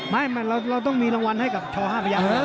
ไม่เราต้องมีรางวัลให้กับช๕พยักษ์